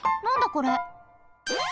これ。